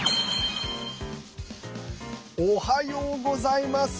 おはようございます。